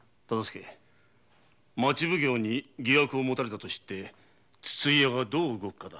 町奉行に疑惑をもたれたと知って筒井屋がどう動くかだ。